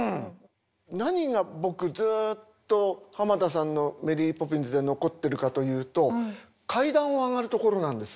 何が僕ずっと濱田さんの「メリー・ポピンズ」で残ってるかというと階段を上がるところなんです。